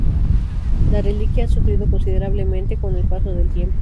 La reliquia ha sufrido considerablemente con el paso del tiempo.